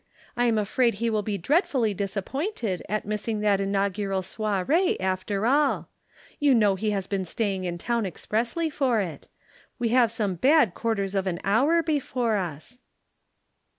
I am afraid he will be dreadfully disappointed at missing that inaugural soirée after all. You know he has been staying in town expressly for it. We have some bad quarters of an hour before us."